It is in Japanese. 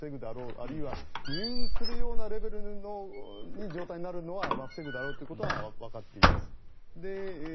あるいは入院するようなレベルの状態になるのは防ぐだろうということはわかっています。